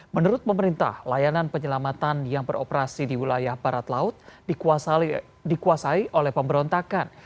menurut pemerintah layanan penyelamatan yang beroperasi di wilayah barat laut dikuasai oleh pemberontakan